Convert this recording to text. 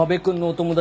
友達？